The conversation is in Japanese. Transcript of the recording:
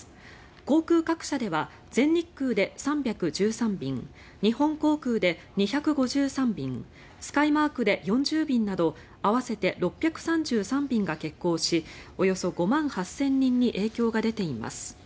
航空各社では全日空で３１３便日本航空で２５３便スカイマークで４０便など合わせて６３３便が欠航しおよそ５万８０００人に影響が出ています。